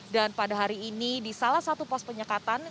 dan pada hari ini di salah satu pos penyekatan